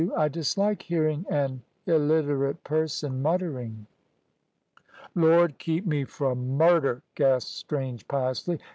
I dislike hearing an illiterate person muttering." "Lord keep me fro' murder," gasped Strange, piously.